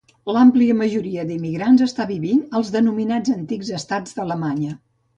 L'àmplia majoria d'immigrants està vivint als denominats antics estats d'Alemanya.